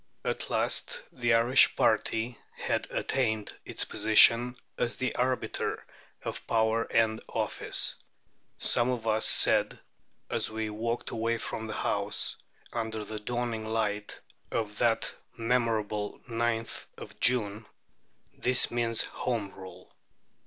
At last the Irish party had attained its position as the arbiter of power and office. Some of us said, as we walked away from the House, under the dawning light of that memorable 9th of June, "This means Home Rule."